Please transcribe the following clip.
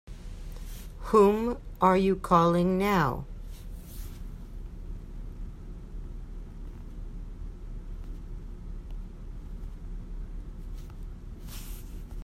Whom are you calling now?